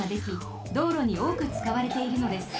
道路におおくつかわれているのです。